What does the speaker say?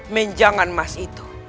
menjangan emas itu